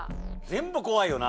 全部怖いよな。